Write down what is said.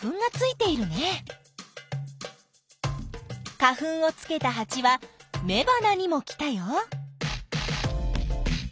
花粉をつけたハチはめばなにも来たよ。